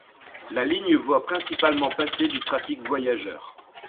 La ligne voit principalement passer du trafic voyageurs.